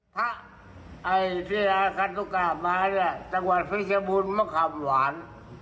มาเนี้ยจังหวัดพิชบุนมะขำหวาน